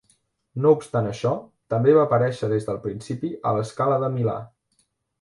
No obstant això, també va aparèixer des del principi a la Scala de Milà.